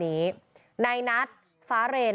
มือไหนมือไหน